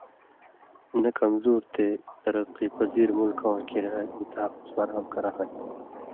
نہ کمزُور تے ترقی پذیر ملکہ واں کریا گی تحفظ فراہم کرہاں تھی،